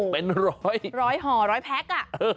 เป็นร้อยร้อยห่อร้อยแพ็คอ่ะ